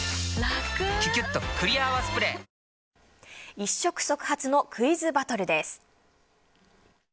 一触即発のクイズバトルです。